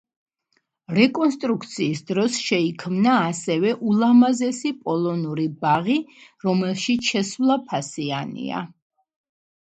რეკონსტრუქციის დროს შეიქმნა ასევე ულამაზესი პოლონური ბაღი, რომელშიც შესვლა ფასიანია.